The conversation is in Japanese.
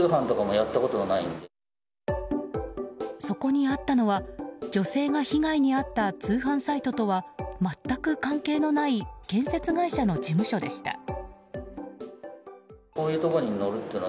そこにあったのは女性が被害に遭った通販サイトとは全く関係のない建設会社の事務所でした。